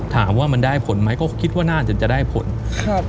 ถามว่ามันได้ผลไหมก็คิดว่าน่าจะจะได้ผลครับ